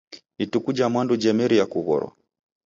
Ituku ja mwandu jamerie kughorwa.